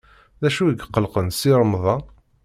D acu i iqellqen Si Remḍan?